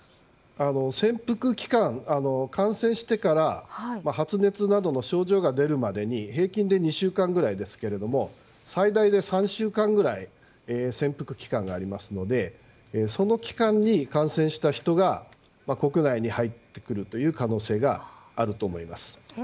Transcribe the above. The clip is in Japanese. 潜伏期間、感染してから発熱などの症状が出るまでに平均で２週間ぐらいですけど最大で３週間ぐらい潜伏期間がありますのでその期間に感染した人が国内に入ってくるという可能性があると思います。